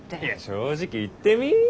いや正直言ってみ。